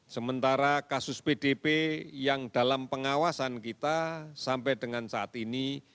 sementara kasus pdp yang dalam pengawasan kita sampai dengan saat ini